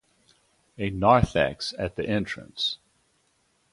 A narthex at the entrance.